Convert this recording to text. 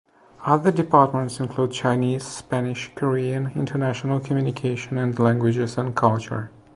Other departments include Chinese, Spanish, Korean, International Communication, and Languages and Culture.